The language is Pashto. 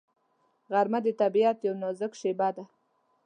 غرمه د طبیعت یو نازک شېبه ده